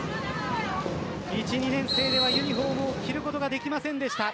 １、２年生ではユニホームを着ることができませんでした。